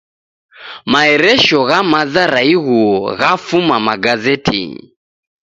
Maeresho gha maza ra ighuo ghafuma magazetinyi